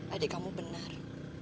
adik kamu benar